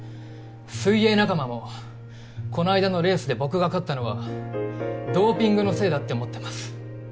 水泳仲間もこないだのレースで僕が勝ったのはドーピングのせいだって思ってます